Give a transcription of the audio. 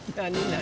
何？